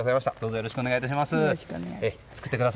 よろしくお願いします。